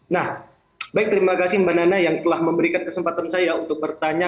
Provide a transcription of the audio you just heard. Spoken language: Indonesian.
nah baik terima kasih mbak nana yang telah memberikan kesempatan saya untuk bertanya